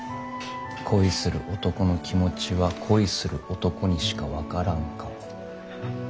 恋する男の気持ちは恋する男にしか分からんか。